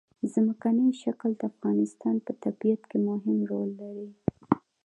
ځمکنی شکل د افغانستان په طبیعت کې مهم رول لري.